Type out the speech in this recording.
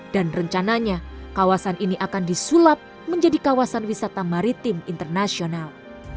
dan rencananya kawasan ini akan disulap menjadi kawasan wisata maritim internasional